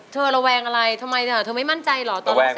เธอระวังอะไรทำไมนะเธอไม่มั่นใจเหรอตอนรับเสร็จแล้วว่า